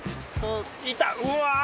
うわ！